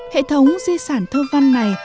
hệ thống di sản thơ văn này